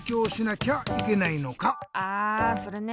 ああそれね。